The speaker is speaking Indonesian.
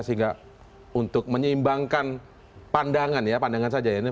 sehingga untuk menyeimbangkan pandangan ya pandangan saja ya